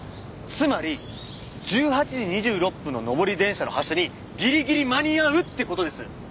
つまり１８時２６分の上り電車の発車にギリギリ間に合うって事です。